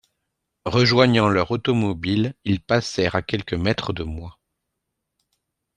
Rejoignant leur automobile, ils passèrent à quelques mètres de moi.